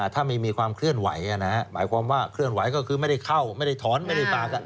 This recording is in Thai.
ถ้าไม่มีความเคลื่อนไหวหมายความว่าเคลื่อนไหวก็คือไม่ได้เข้าไม่ได้ถอนไม่ได้ปาก